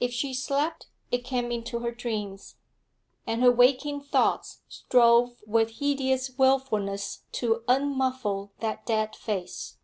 If she slept it came into her dreams, and her waking thoughts strove with hideous wilfulness to unmuffle that dead face.